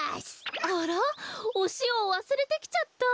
あらおしおをわすれてきちゃった！